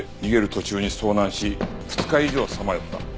途中に遭難し２日以上さまよった。